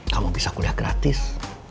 kamu bisa kuliah gratis